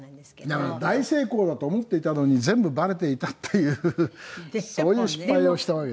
だから大成功だと思っていたのに全部バレていたっていうそういう失敗をしたわけです。